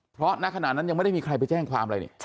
เพราะณขณะนั้นยังไม่ได้มีใครไปแจ้งความอะไรนี่